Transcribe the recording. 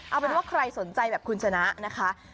เอาเป็นว่าใครสนใจแบบคุณชนะนะคะ